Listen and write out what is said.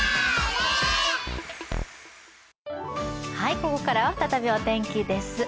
ここからは再びお天気です。